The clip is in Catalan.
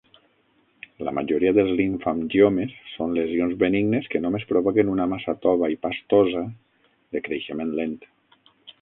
La majoria dels limfangiomes són lesions benignes que només provoquen una massa tova i "pastosa" de creixement lent.